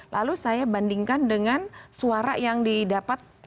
lalu saya bandingkan dengan suara yang didapat